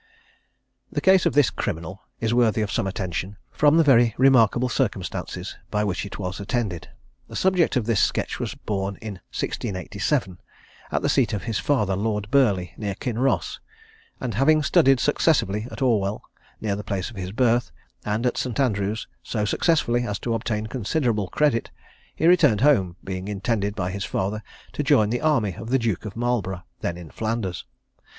The case of this criminal is worthy of some attention, from the very remarkable circumstances by which it was attended. The subject of this sketch was born in 1687, at the seat of his father, Lord Burley, near Kinross; and having studied successively at Orwell, near the place of his birth, and at St. Andrews, so successfully as to obtain considerable credit, he returned home, being intended by his father to join the army of the Duke of Marlborough, then in Flanders.